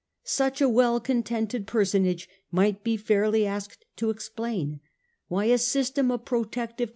Such a well contented personage might be fairly asked to explain why a system of protective